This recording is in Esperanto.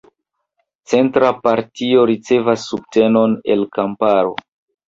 Centra partio ricevas subtenon el kamparo.